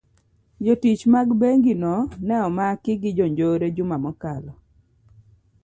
jotich mag bengi no ne omaki gi jonjore juma mokalo.